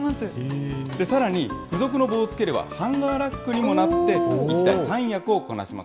さらに付属の棒をつければハンガーラックにもなって、１台３役をこなします。